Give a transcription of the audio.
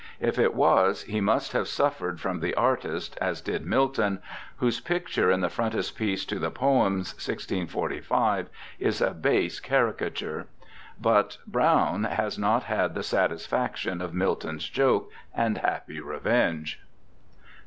If it was, he must have suffered from the artist, as did Milton, whose picture in the frontispiece to the Poems, 1645, is a base caricature ; but Browne has not had the satisfaction of Milton's joke and happy revenge.